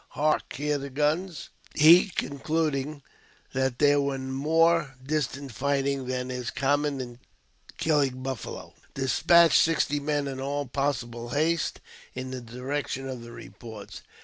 Hark ! hear the guns !" He, concluding that there was more distant fighting than ii common in killing buffalo, despatched sixty men in all possible haste in the direction of the reports.